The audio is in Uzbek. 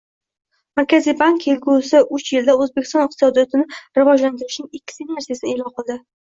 Markaziy bank kelgusiuchyilda O‘zbekiston iqtisodiyotini rivojlantirishning ikki ssenariysini e’lon qildi